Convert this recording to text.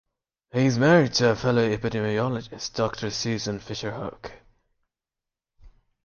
He is married to a fellow epidemiologist Doctor Susan Fisher-Hoch.